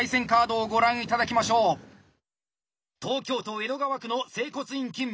東京都江戸川区の整骨院勤務